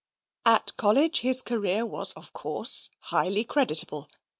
At college his career was of course highly creditable.